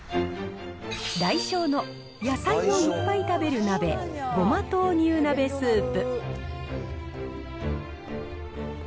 ダイショーの、野菜をいっぱい食べる鍋ごま豆乳鍋スープ。